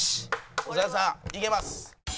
長田さんいけます。